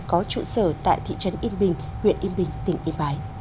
có trụ sở tại thị trấn yên bình huyện yên bình tỉnh yên bái